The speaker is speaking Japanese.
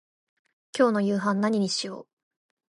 今日の夕飯何にしよう。